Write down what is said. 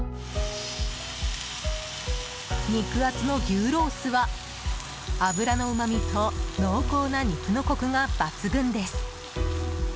肉厚の牛ロースは、脂のうまみと濃厚な肉のコクが抜群です。